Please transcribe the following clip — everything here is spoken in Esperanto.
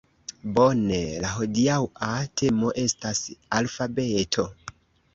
Bone. La hodiaŭa temo estas alfabeto